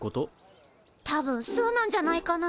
たぶんそうなんじゃないかな？